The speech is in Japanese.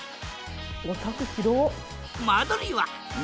お宅広っ！